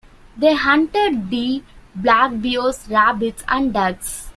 They hunted deer, black bears, rabbits, and ducks.